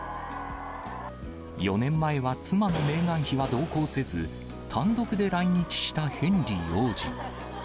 ４年前は妻のメーガン妃は同行せず、単独で来日したヘンリー王子。